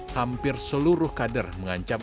hampir seluruh kader mengancam